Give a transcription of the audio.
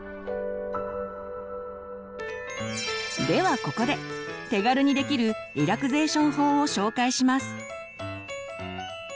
ではここで手軽にできるリラクゼーション法を紹介します。